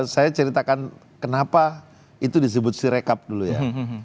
saya ceritakan kenapa itu disebut sirekap dulu ya